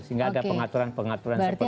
sehingga ada pengaturan pengaturan seperti itu